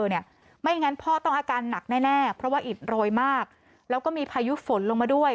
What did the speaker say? ไม่งั้นพ่อต้องอาการหนักแน่เพราะว่าอิดโรยมากแล้วก็มีพายุฝนลงมาด้วย